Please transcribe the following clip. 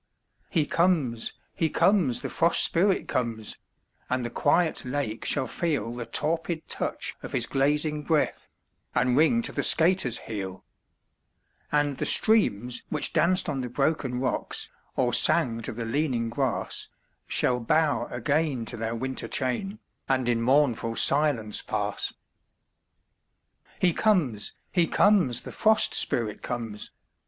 He comes, he comes, the Frost Spirit comes and the quiet lake shall feel The torpid touch of his glazing breath, and ring to the skater's heel; And the streams which danced on the broken rocks, or sang to the leaning grass, Shall bow again to their winter chain, and in mournful silence pass. He comes, he comes, the Frost Spirit comes!